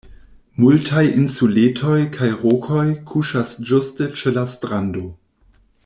Multaj insuletoj kaj rokoj kuŝas ĝuste ĉe la strando.